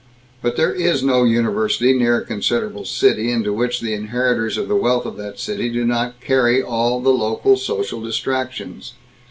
But there is no university near a considerable city into which the inheritors of the wealth of that city do not carry all the local social distinctions.